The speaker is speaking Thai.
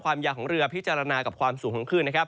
ความยาวของเรือพิจารณากับความสูงของคลื่น